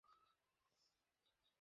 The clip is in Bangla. কতটা সময় ব্যয় হয়।